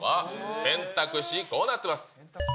選択肢、こうなってます。